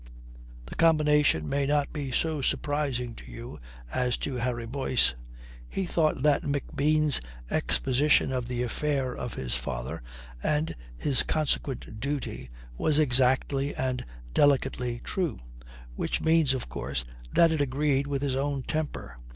The combination may not be so surprising to you as to Harry Boyce. He thought that McBean's exposition of the affair of his father, and his consequent duty, was exactly and delicately true which means, of course, that it agreed with his own temper.